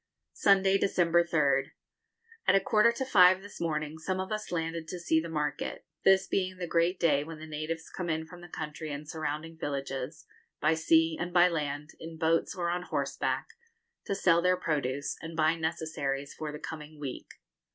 Sunday, December 3rd. At a quarter to five this morning some of us landed to see the market, this being the great day when the natives come in from the country and surrounding villages, by sea and by land, in boats, or on horseback, to sell their produce, and buy necessaries for the coming week.